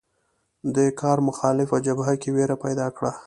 دې کار مخالفه جبهه کې وېره پیدا کړه